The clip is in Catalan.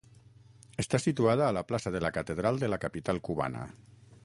Està situada a la plaça de la Catedral de la capital cubana.